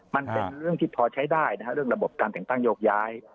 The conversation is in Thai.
มันเป็นเรื่องที่พอใช้ได้นะฮะเรื่องระบบการแต่งตั้งโยกย้าย